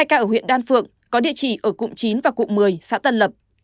hai ca ở huyện đan phượng có địa chỉ ở cụm chín và cụm một mươi xã tân lập